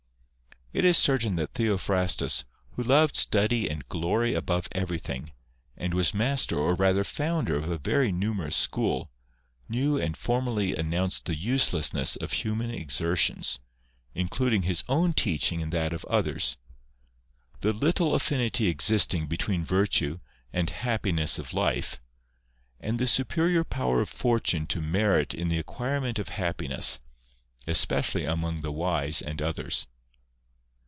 It is certain that Theophrastus, who loved study and I glory above everything, and was master or rather founder 1 of a very numerous school, knew and formally announced \, the uselessness of human exertions, including his own " teaching and that of others ; the little affinity existing between virtue and happiness of life ; and the superior power of fortune to merit in the acquirement of happi ness, equally among the wise and others.